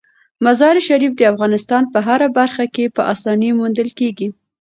مزارشریف د افغانستان په هره برخه کې په اسانۍ موندل کېږي.